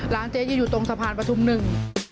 เจ๊จะอยู่ตรงสะพานประทุมหนึ่ง